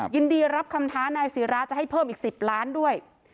ยินดีรับคำท้านายศิราจะให้เพิ่มอีก๑๐ล้านด้วย